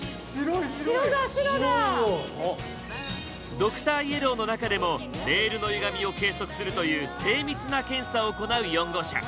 ドクターイエローの中でもレールのゆがみを計測するという精密な検査を行う４号車。